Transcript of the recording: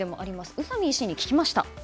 宇佐美医師に聞きました。